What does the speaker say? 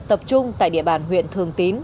tập trung tại địa bàn huyện thường tín